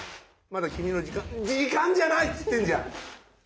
まだ君の時間時間じゃないっつってんじゃん。